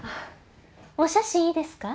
お写真いいですか？